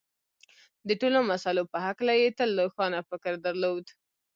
د ټولو مسألو په هکله یې تل روښانه فکر درلود